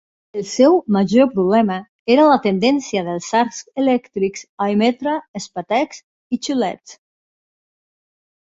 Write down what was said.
El seu major problema era la tendència dels arcs elèctrics a emetre espetecs i xiulets.